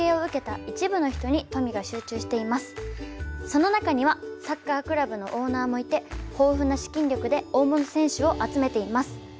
その中にはサッカークラブのオーナーもいて豊富な資金力で大物選手を集めています。